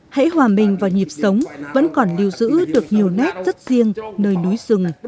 hãy hòa mình vào nhịp sống vẫn còn lưu giữ được nhiều nét rất riêng nơi núi rừng